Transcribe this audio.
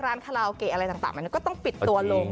คาราโอเกะอะไรต่างมันก็ต้องปิดตัวลง